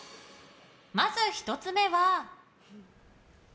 まず１つ目は。